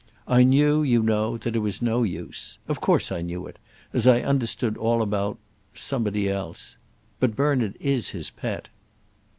I knew, you know, that it was no use. Of course I knew it, as I understood all about somebody else. But Bernard is his pet."